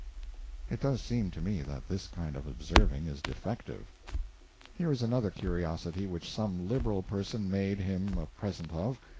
It does seem to me that this kind of observing is defective. Here is another curiosity which some liberal person made him a present of.